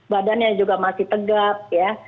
badannya juga masih tegap ya